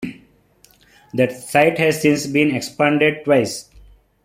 The site has since been expanded twice.